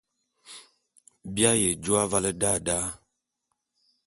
Bi aye jô avale da da.